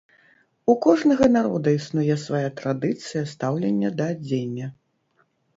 У кожнага народа існуе свая традыцыя стаўлення да адзення.